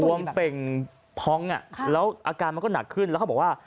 วมเป่งพองแล้วอาการมันก็หนักขึ้นแล้วเขาบอกว่า